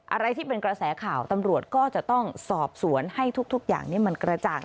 อะไรที่เป็นกระแสข่าวตำรวจก็จะต้องสอบสวนให้ทุกอย่างนี้มันกระจ่าง